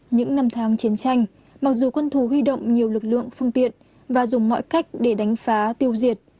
những năm tháng chiến tranh mặc dù quân thù huy động nhiều lực lượng phương tiện và dùng mọi cách để đánh phá tiêu diệt